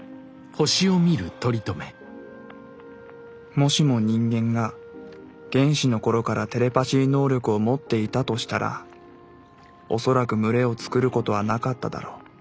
もしも人間が原始の頃からテレパシー能力をもっていたとしたら恐らく群れをつくることはなかっただろう。